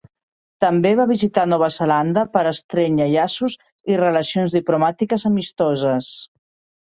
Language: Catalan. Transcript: També va visitar Nova Zelanda per estrènyer llaços i relacions diplomàtiques amistoses.